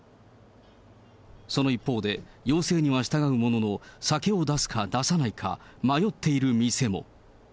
その一方で、要請には従うものの、酒を出すか出さないか、迷っている店も。